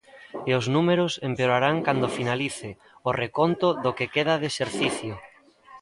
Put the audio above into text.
E os números empeorarán cando finalice o reconto do que queda de exercicio.